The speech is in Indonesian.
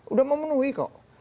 udah memenuhi kok